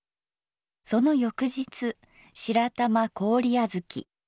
その翌日「白玉氷あづき」。